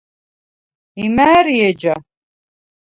იმ’ა̄̈რი ეჯა?